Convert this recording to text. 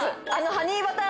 ハニーバター。